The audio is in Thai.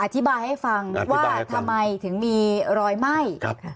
อธิบายให้ฟังว่าทำไมถึงมีรอยไหม้